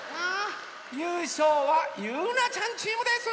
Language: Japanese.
ゆうしょうはゆうなちゃんチームです！